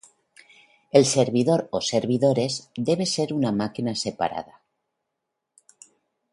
el servidor o servidores debe ser una máquina separada